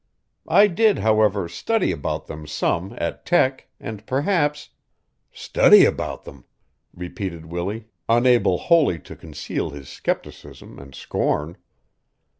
I did, however, study about them some at Tech and perhaps " "Study about 'em!" repeated Willie, unable wholly to conceal his scepticism and scorn.